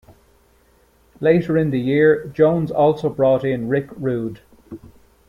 Later in the year, Jones also brought in Rick Rude.